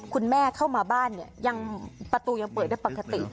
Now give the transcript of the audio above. คุณแม่เข้ามาบ้านเนี่ยยังประตูยังเปิดได้ปกติ